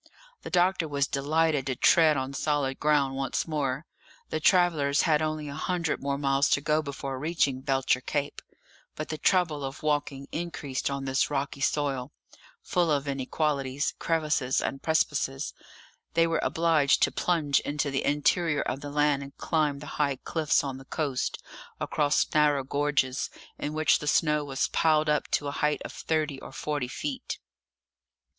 The doctor was delighted to tread on solid ground once more; the travellers had only a hundred more miles to go before reaching Belcher Cape; but the trouble of walking increased on this rocky soil, full of inequalities, crevices, and precipices; they were obliged to plunge into the interior of the land and climb the high cliffs on the coast, across narrow gorges, in which the snow was piled up to a height of thirty or forty feet.